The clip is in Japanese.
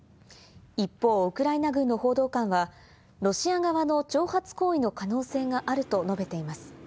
一方、ウクライナ軍の報道官は、ロシア側の挑発行為の可能性があると述べています。